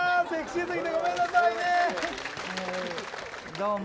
どうも！